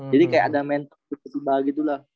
jadi kayak ada men ketiba ketiba gitu lah